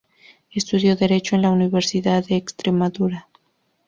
Estudió Derecho en la Universidad de Extremadura.